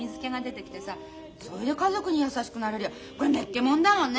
それで家族に優しくなれりゃこれめっけもんだもんね！